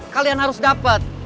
kalian harus dapet